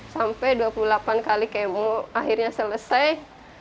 sampai dua puluh delapan kali kemo akhirnya selesai